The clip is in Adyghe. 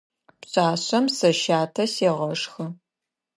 Пшъашъэм сэ щатэ сегъэшхы.